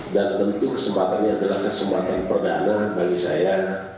dan tentu kesempatan ini adalah kesempatan perdana bagi saya